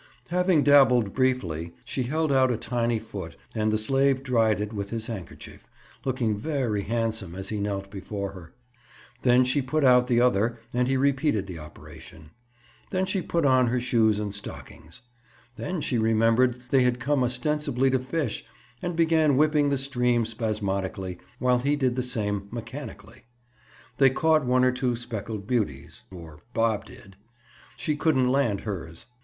Having dabbled briefly, she held out a tiny foot and the slave dried it with his handkerchief, looking very handsome as he knelt before her. Then she put out the other and he repeated the operation. Then she put on her shoes and stockings. Then she remembered they had come ostensibly to fish and began whipping the stream spasmodically, while he did the same mechanically. They caught one or two speckled beauties, or Bob did. She couldn't land hers.